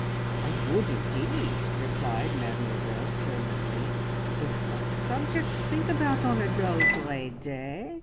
"I would indeed!" replied Mademoiselle fervently. "But what a subject to think about on a dull grey day!